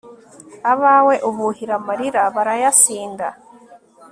abawe ubuhira amarira barayasinda